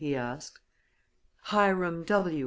he asked. "Hiram W.